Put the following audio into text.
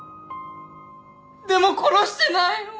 でも殺してない！